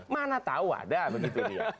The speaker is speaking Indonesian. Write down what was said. mana tahu ada begitu dia